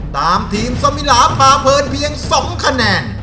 ตามทีมสมิลาพาเพลินเพียง๒คะแนน